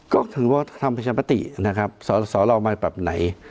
ก็ถือว่าแบบธรรมปฏิสอเรามายแบบไหน